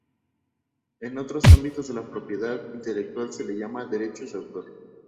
En otros ámbitos de la propiedad intelectual se les llama: 'Derechos de autor'.